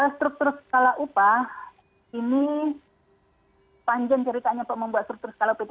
struktur skala upah ini panjang ceritanya bu membuat struktur skala upah itu